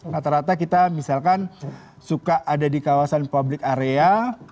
rata rata kita misalkan suka ada di kawasan public area